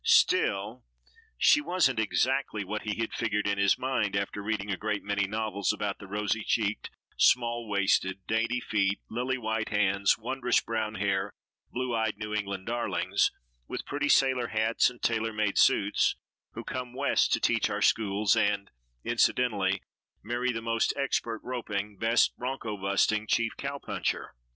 Still she wasn't exactly what he had figured in his mind after reading a great many novels about the rosy cheeked, small waisted, dainty feet, lily white hands, wondrous brown hair, blue eyed New England darlings, with pretty sailor hats and tailor made suits, who come West to teach our schools and incidentally marry the most expert roping, best broncho busting, chief cowpuncher.